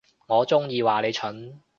我中意話你蠢